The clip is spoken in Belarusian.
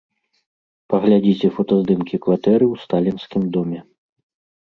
Паглядзіце фотаздымкі кватэры ў сталінскім доме.